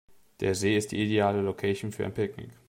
Der See ist die ideale Location für ein Picknick.